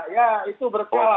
ya itu berkala